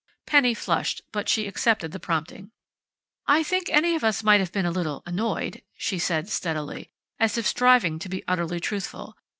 Penny flushed, but she accepted the prompting. "I think any of us might have been a little annoyed," she said steadily, as if striving to be utterly truthful.